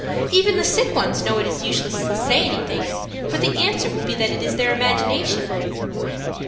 Even the sick ones know it is useless to say anything, for the answer will be that it is their imagination."